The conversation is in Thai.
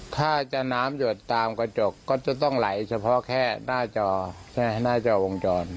ถ้าจะน้ำหยดตามกระจกก็จะต้องไหลเฉพาะแค่หน้าจอหน้าจอวงจร